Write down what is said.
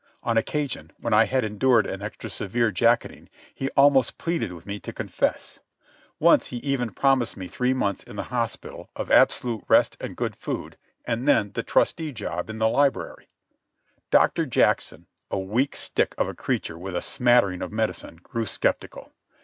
On occasion, when I had endured an extra severe jacketing, he almost pleaded with me to confess. Once he even promised me three months in the hospital of absolute rest and good food, and then the trusty job in the library. Dr. Jackson, a weak stick of a creature with a smattering of medicine, grew sceptical.